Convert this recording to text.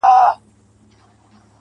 لاس يې د ټولو کايناتو آزاد، مړ دي سم